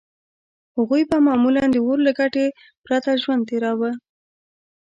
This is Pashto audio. هغوی به معمولاً د اور له ګټې پرته ژوند تېراوه.